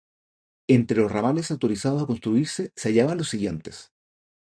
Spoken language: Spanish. Entre los ramales autorizados a construirse se hallaban los siguientes.